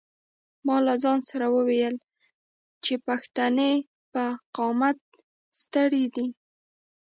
ما له ځان سره وویل چې پښتنې په قامت سترې دي.